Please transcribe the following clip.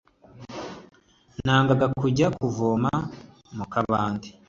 Nangaga kujya kuvoma mukabande